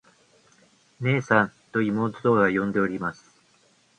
「ねえさん。」と妹が呼んでおります。